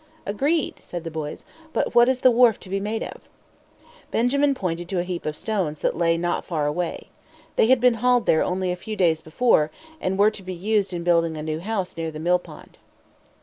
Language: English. "Agreed!" said the boys. "But what is the wharf to be made of?" Benjamin pointed to a heap of stones that lay not far away. They had been hauled there only a few days before, and were to be used in building a new house near the millpond.